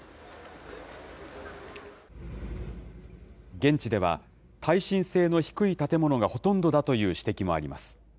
現地では耐震性の低い建物がほとんどだという指摘もあります。